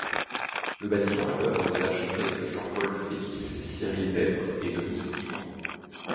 Le bâtiment est l'œuvre des architectes Jean-Paul Felix, Cyril Despres et Dominique Yvon.